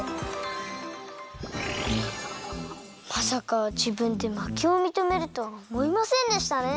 まさかじぶんでまけをみとめるとはおもいませんでしたね。